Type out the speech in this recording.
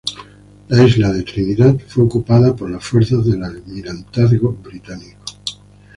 La isla de Trinidad fue ocupada por las fuerzas del Almirantazgo Británico.